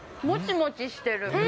もちもちしてる。